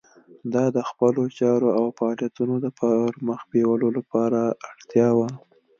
دا د خپلو چارو او فعالیتونو د پرمخ بیولو لپاره اړتیا وه.